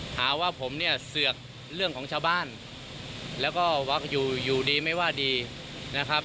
หาว่าผมเนี่ยเสือกเรื่องของชาวบ้านแล้วก็วักอยู่อยู่ดีไม่ว่าดีนะครับ